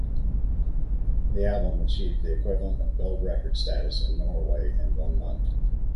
The album achieved the equivalent of gold record status in Norway in one month.